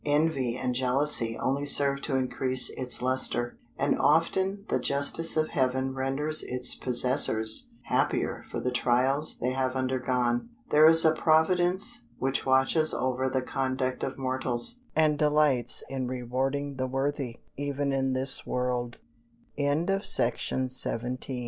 Envy and jealousy only serve to increase its lustre; and often the justice of Heaven renders its possessors happier for the trials they have undergone. There is a Providence which watches over the conduct of mortals, and delights in rewarding the worthy, even in this world. FOOTNOTES: A favourite